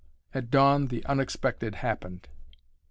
At dawn the unexpected happened.